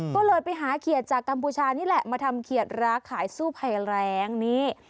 ก็เลยไปหาเขียดจากกัมพูชานี่แหละมาทำเขียดร้าขายสู้ภัยแรงนี้